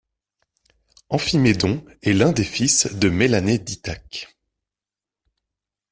Amphimédon est l'un des fils de Mélanée d'Ithaque.